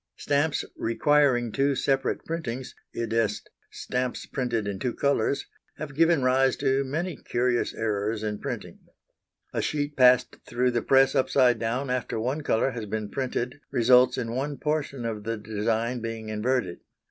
Stamps requiring two separate printings i.e. stamps printed in two colours have given rise to many curious errors in printing. A sheet passed through the press upside down after one colour has been printed results in one portion of the design being inverted.